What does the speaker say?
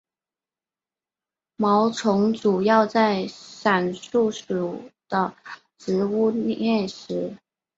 毛虫主要在伞树属的植物摄食。